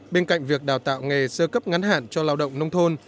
bên cạnh việc đào tạo nghề sơ cấp ngắn hạn cho lao động nông thôn